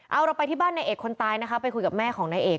เอาเราไปที่บ้านในเอกคนตายไปคุยกับแม่ของในเอก